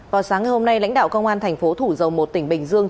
vào sáng ngày hôm nay lãnh đạo công an tp thủ dầu một tỉnh bình dương